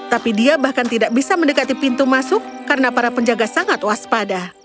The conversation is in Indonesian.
tapi dia bahkan tidak bisa mendekati pintu masuk karena para penjaga sangat waspada